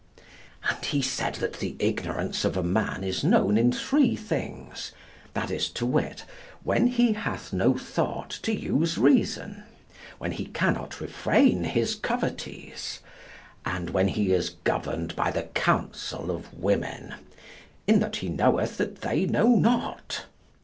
And he said that the ignorance of a man is known in three things, that is to wit, when he hath no thought to use reason; when he cannot refrain his covetise; and when he is governed by the counsel of women, in that he knoweth that they know not.